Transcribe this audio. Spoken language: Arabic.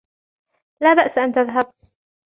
لا بأس أن تذهب.